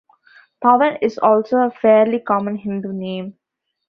Pavan is also a fairly common Hindu name.